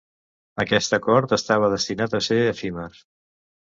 Aquest acord estava destinat a ser efímer.